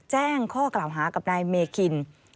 แจ้งข้อกล่าวหากับนายเมคิน